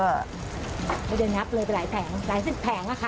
เดี๋ยวนับเลยเป็นหลายแผงหลายสิบแผงค่ะ